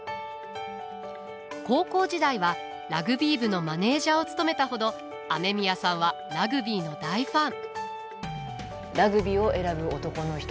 高校時代はラグビー部のマネージャーを務めたほど雨宮さんはラグビーの大ファン。